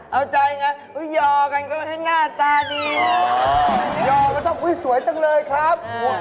เอาใจยังไงหย่อกันก็ให้หน้าตาดีหย่อมันต้องอุ้ยสวยตั้งเลยครับอ่า